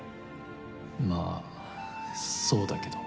まあそうだけど。